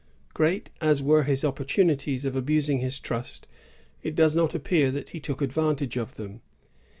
Great as were his opportunities of abusing his trust, it does not appear that he took advantage of them.